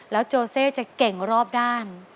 โจเซจะเก่งรอบด้าน